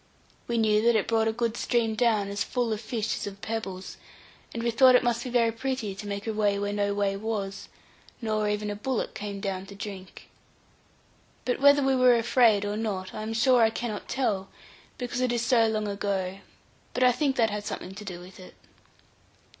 We knew that it brought a good stream down, as full of fish as of pebbles; and we thought that it must be very pretty to make a way where no way was, nor even a bullock came down to drink. But whether we were afraid or not, I am sure I cannot tell, because it is so long ago; but I think that had something to do with it.